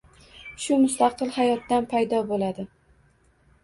shu “mustaqil hayot” dan paydo bo‘ladi.